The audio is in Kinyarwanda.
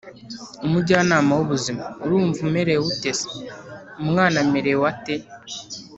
Umujyanama w ubuzima urumva umerewe ute se umwana amerewe ate